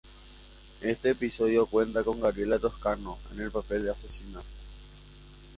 Este episodio cuenta con Gabriela Toscano, en el papel de asesina.